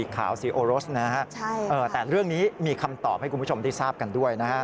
คุณผู้ชมที่ทราบกันด้วยนะครับ